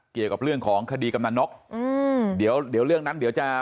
เกี่ยวกับเรื่องของคดีกำนะน็อคอื้อเดี๋ยวเรื่องนั้นเดี๋ยว